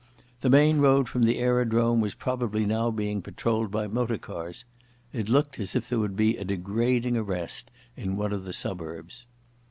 The main road from the aerodrome was probably now being patrolled by motor cars. It looked as if there would be a degrading arrest in one of the suburbs.